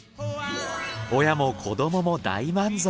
親も子どもも大満足。